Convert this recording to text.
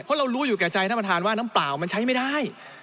เพราะเรารู้อยู่แก่ใจท่านประธานว่าน้ำเปล่ามันใช้ไม่ได้